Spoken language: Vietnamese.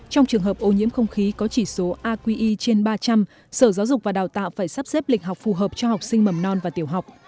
trong trường hợp ô nhiễm không khí có chỉ số aqi trên ba trăm linh sở giáo dục và đào tạo phải sắp xếp lịch học phù hợp cho học sinh mầm non và tiểu học